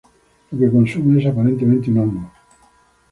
Lo que consume es aparentemente un hongo.